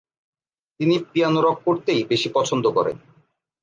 তিনি piano rock করতেই বেশি পছন্দ করেন।